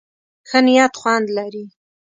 ښه نيت خوند لري.